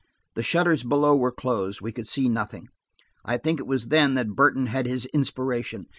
The shutters below were closed; we could see nothing. I think it was then that Burton had his inspiration.